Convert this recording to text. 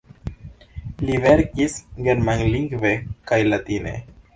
Li verkis germanlingve kaj latine.